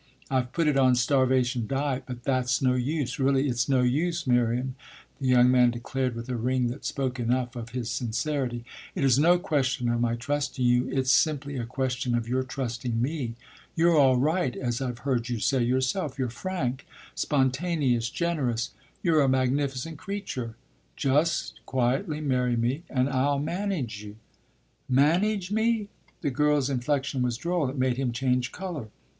I've put it on starvation diet, but that's no use really, it's no use, Miriam," the young man declared with a ring that spoke enough of his sincerity. "It is no question of my trusting you; it's simply a question of your trusting me. You're all right, as I've heard you say yourself; you're frank, spontaneous, generous; you're a magnificent creature. Just quietly marry me and I'll manage you." "'Manage' me?" The girl's inflexion was droll; it made him change colour.